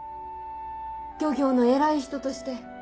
漁業の偉い人として。